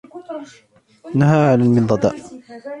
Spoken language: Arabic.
إنها علي المنضدة.